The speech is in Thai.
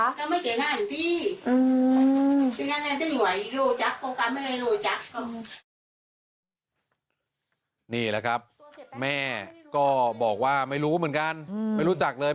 ก็ไม่เก่งนานพี่อืมนี่แหละครับแม่ก็บอกว่าไม่รู้เหมือนกันไม่รู้จักเลย